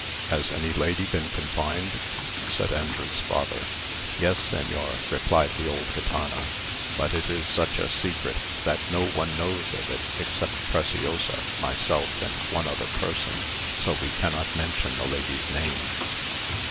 "Has any lady been confined?" said Andrew's father. "Yes, señor," replied the old Gitana: "but it is such a secret, that no one knows of it except Preciosa, myself, and one other person. So we cannot mention the lady's name."